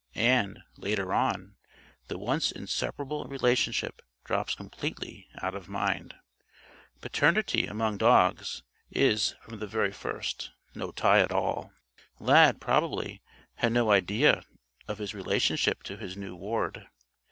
And, later on, the once inseparable relationship drops completely out of mind. Paternity, among dogs, is, from the very first, no tie at all. Lad, probably, had no idea of his relationship to his new ward.